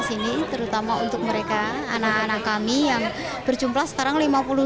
fasilitas ini terutama untuk mereka anak anak kami yang berjumlah sekarang lima puluh dua